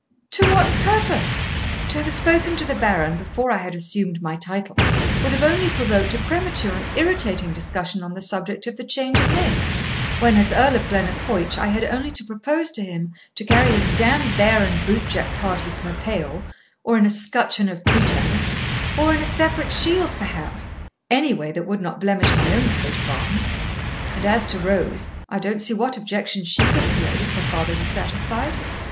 'To what purpose? To have spoke to the Baron before I had assumed my title would have only provoked a premature and irritating discussion on the subject of the change of name, when, as Earl of Glennaquoich, I had only to propose to him to carry his d d bear and bootjack party per pale, or in a scutcheon of pretence, or in a separate shield perhaps any way that would not blemish my own coat of arms. And as to Rose, I don't see what objection she could have made if her father was satisfied.'